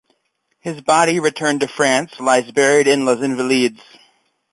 His body, returned to France, lies buried in Les Invalides.